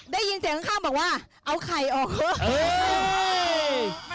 ได้ยินเสียงข้างบอกว่าเอาไข่ออกเถอะ